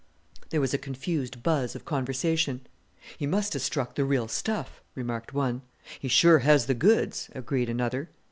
There was a confused buzz of conversation. "He must have struck the real stuff," remarked one. "He sure has the goods," agreed another.